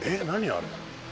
あれ。